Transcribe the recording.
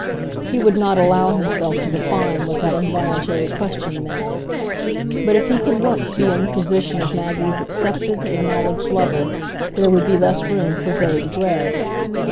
He would not allow himself to define what that involuntary question meant. But if he could once be in the position of Maggie's accepted, acknowledged lover, there would be less room for vague dread.